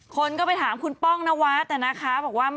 คนก็ไปถามคุณป้องนวัดนะครับ